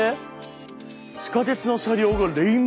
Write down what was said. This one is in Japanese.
地下鉄の車両がレインボーカラー。